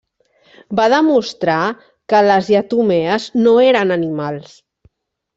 Va demostrar que les diatomees no eren animals.